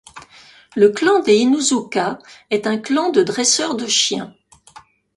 Le clan des Inuzuka est un clan de dresseurs de chiens.